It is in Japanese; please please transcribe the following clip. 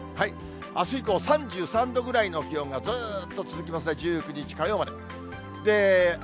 あす以降３３度ぐらいの気温がずっと続きますね、１９日火曜まで。